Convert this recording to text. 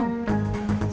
siapa tahu kan